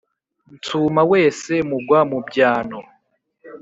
Nsuma wese mugwa mu byano,